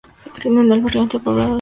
Es el barrio más poblado de Albacete.